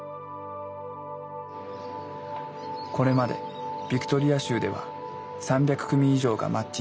これまでビクトリア州では３００組以上がマッチングした。